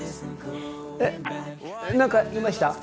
えっ何か言いました？